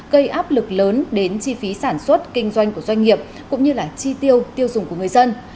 gây áp lực lớn đến chi phí sản xuất kinh doanh của doanh nghiệp cũng như chi tiêu tiêu dùng của người dân